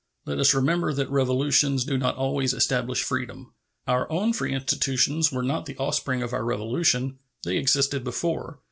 Let us remember that revolutions do not always establish freedom. Our own free institutions were not the offspring of our Revolution. They existed before.